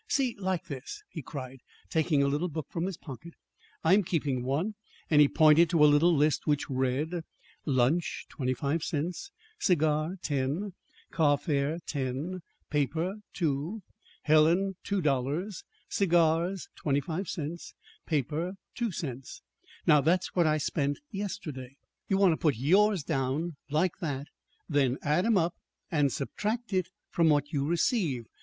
See, like this," he cried, taking a little book from his pocket. "I'm keeping one." And he pointed to a little list which read: Lunch $.25 Cigar .10 Car fare .10 Paper .02 Helen 2.00 Cigars .25 Paper .02 "Now that's what I spent yesterday. You want to put yours down like that, then add 'em up and subtract it from what you receive.